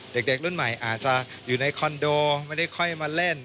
เด็กรุ่นใหม่อาจจะอยู่ในคอนโดไม่ได้ค่อยมาเล่น